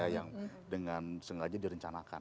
yang dengan sengaja direncanakan